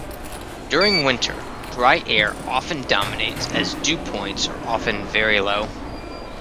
During winter, dry air often dominates as dew points are often very low.